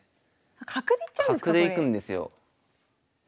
角でいくんですよ。